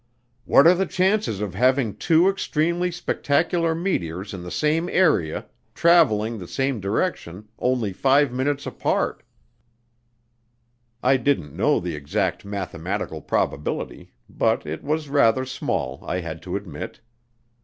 "What are the chances of having two extremely spectacular meteors in the same area, traveling the same direction, only five minutes apart?" I didn't know the exact mathematical probability, but it was rather small, I had to admit.